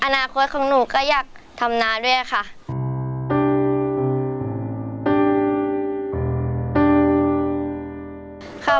อนาคตของหนูก็อยากทำนาด้วยค่ะ